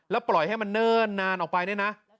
แล้วปล่อยให้มันเนิ้นนานออกไปนี่นะ